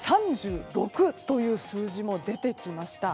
３６という数字も出てきました。